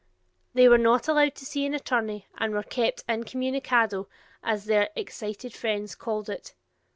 They were not allowed to see an attorney and were kept "in communicado" as their excited friends called it.